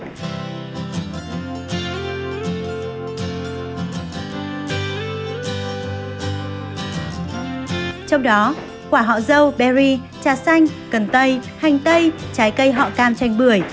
trong đó quả họ dâu berry trà xanh cần tây hành tây trái cây họ cam chanh bưởi